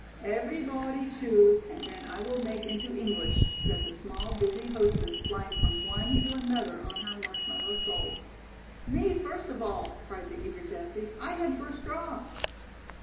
"Everybodee choose and then I will make into English," said the small, busy hostess, flying from one to another on her marshmallow soles. "Me first of all," cried the eager Jessie. "I had first draw."